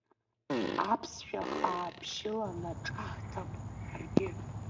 Аԥсышәа хаа бжьыла наҿаҳҭып ҳаргьы.